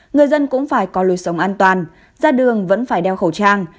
người dân cũng phải có lối sống an toàn ra đường vẫn phải đeo khẩu trang